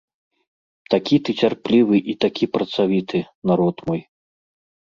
Такі ты цярплівы і такі працавіты, народ мой.